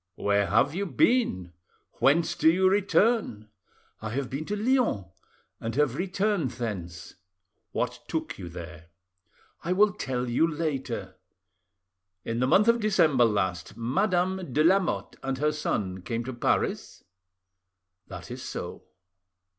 "Where have you been? Whence do you return?" "I have been to Lyons, and have returned thence." "What took you there? "I will tell you later." "In the month of December last, Madame de Lamotte and her son came to Paris? "That is so."